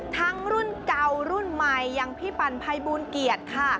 รุ่นเก่ารุ่นใหม่อย่างพี่ปั่นภัยบูลเกียรติค่ะ